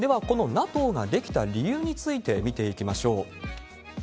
このＮＡＴＯが出来た理由について見ていきましょう。